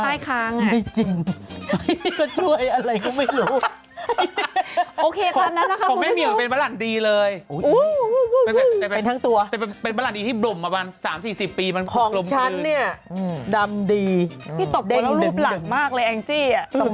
อันออนแล้วหลับม๊ากเลย